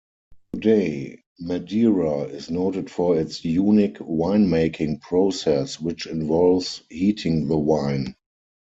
Today, Madeira is noted for its unique winemaking process which involves heating the wine.